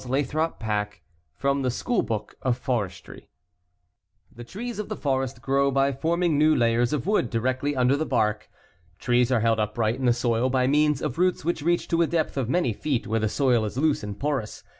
] CHAPTER I HOW TREES GROW AND MULTIPLY The trees of the forest grow by forming new layers of wood directly under the bark. Trees are held upright in the soil by means of roots which reach to a depth of many feet where the soil is loose and porous.